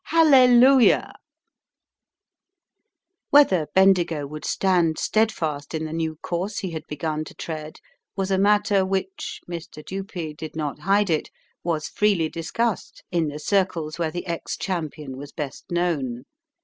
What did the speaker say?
"Hallelujah!" Whether Bendigo would stand steadfast in the new course he had begun to tread was a matter which Mr. Dupee did not hide it was freely discussed in the circles where the ex champion was best known.